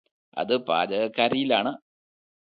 അത് പാചകക്കാരിയിലാണ്